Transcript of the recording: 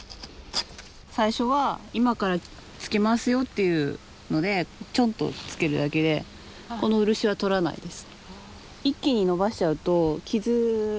最初は今からつけますよっていうのでチョンとつけるだけでこの漆はとらないです。